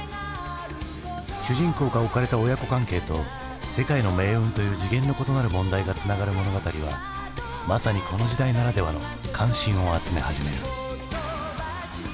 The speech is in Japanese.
主人公が置かれた親子関係と世界の命運という次元の異なる問題がつながる物語はまさにこの時代ならではの関心を集め始める。